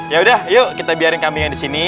yaudah yuk kita biarin kambingnya disini